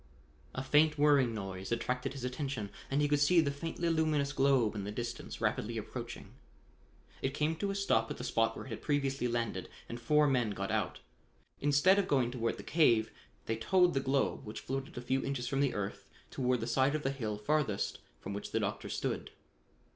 A faint whirring noise attracted his attention, and he could see the faintly luminous globe in the distance, rapidly approaching. It came to a stop at the spot where it had previously landed and four men got out. Instead of going toward the cave, they towed the globe, which floated a few inches from the earth, toward the side of the hill farthest from where the doctor stood.